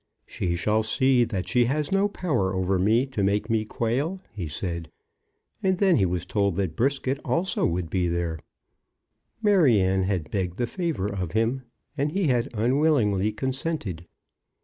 "She shall see that she has no power over me, to make me quail," he said. And then he was told that Brisket also would be there; Maryanne had begged the favour of him, and he had unwillingly consented.